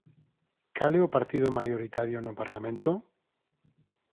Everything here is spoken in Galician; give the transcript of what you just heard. Cal é o partido maioritario no parlamento?